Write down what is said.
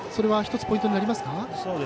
１つポイントになりますか？